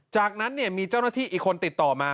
จากนั้นมีเจ้าหน้าที่อีกคนติดต่อมา